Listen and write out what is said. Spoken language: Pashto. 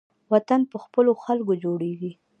وطن په خپلو خلکو جوړیږي